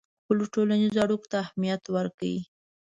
خپلو ټولنیزو اړیکو ته اهمیت ورکړئ.